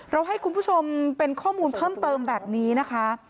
ให้คุณผู้ชมเป็นข้อมูลเพิ่มเติมแบบนี้นะคะ